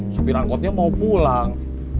supir angkotnya mau pulang